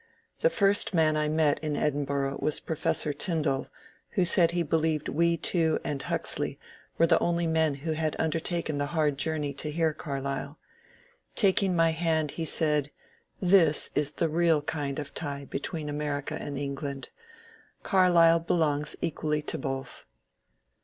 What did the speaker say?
The first man I met in Edinburgh was Professor Tyndall, who said he believed we two and Huxley were the only men who had un dertaken the hard journey to hear Carlyle. Taking my hand he said, ^' This is the real kind of tie between America and England. Carlyle belongs equally to both."